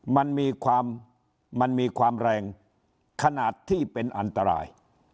มันมีความแรงขนาดที่เป็นอันตราย